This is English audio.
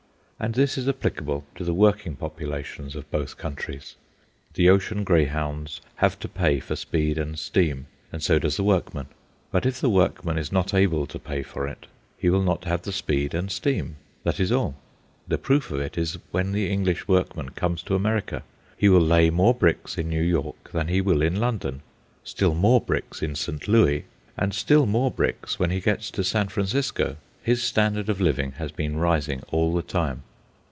And this is applicable to the working populations of both countries. The ocean greyhounds have to pay for speed and steam, and so does the workman. But if the workman is not able to pay for it, he will not have the speed and steam, that is all. The proof of it is when the English workman comes to America. He will lay more bricks in New York than he will in London, still more bricks in St. Louis, and still more bricks when he gets to San Francisco. His standard of living has been rising all the time.